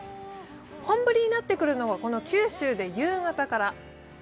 本降りになってくるのは九州で夕方から。